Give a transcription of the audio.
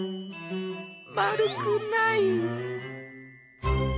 まるくない。